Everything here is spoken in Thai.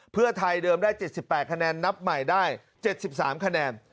เพื่อไทยเดิมได้๗๘คะแนนนับใหม่ได้๗๓คะแนน